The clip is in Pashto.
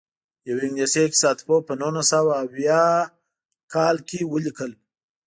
یوه انګلیسي اقتصاد پوه په نولس سوه اویاووه کال کې ولیکل.